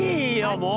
もう。